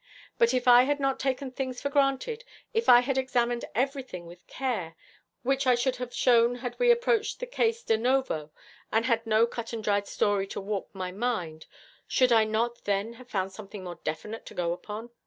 But if I had not taken things for granted, if I had examined everything with care which I should have shown had we approached the case de novo and had no cut and dried story to warp my mind, should I not then have found something more definite to go upon?